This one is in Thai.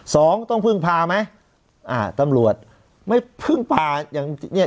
สองต้องพึ่งพาไหมอ่าตำรวจไม่พึ่งพาอย่างเนี้ย